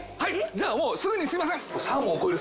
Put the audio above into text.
じゃあもうすぐにすいません。